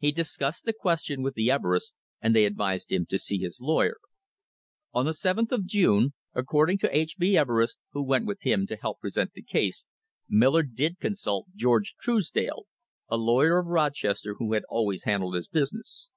He discussed the question with the Everests, and they advised him to see his lawyer. On the seventh of June, according to H. B. Everest,* who went with him to help present the case, Miller did con sult George Truesdale, a lawyer of Rochester, who had always handled his business.